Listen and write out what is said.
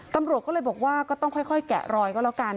ตำรวจก็เลยบอกว่าก็ต้องค่อยแกะรอยก็แล้วกัน